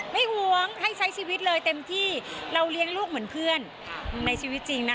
หวงให้ใช้ชีวิตเลยเต็มที่เราเลี้ยงลูกเหมือนเพื่อนในชีวิตจริงนะ